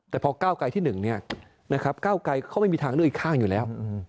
แต่พอก้าวไกลที่หนึ่งเนี่ยนะครับก้าวไกลเขาไม่มีทางเลือกอีกข้างอยู่แล้ว